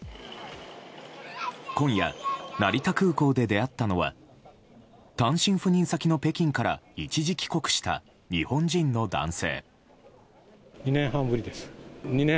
今夜、成田空港で出会ったのは単身赴任先の北京から一時帰国した日本人の男性。